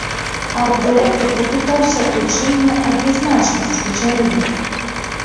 Арт-дырэктар папытаўся ў чым неадназначнасць вечарыны.